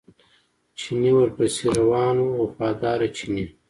چیني ورپسې روان و وفاداره چیني.